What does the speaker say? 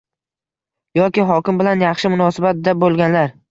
yoki hokim bilan «yaxshi munosabat»da bo‘lganlar.